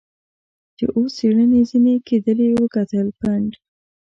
چې اوس څېړنې ځنې کېدلې وکتل، پنډ.